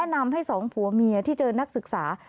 นำให้สองผัวเมียที่เจอนักศึกษา